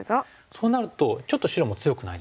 そうなるとちょっと白も強くないですか？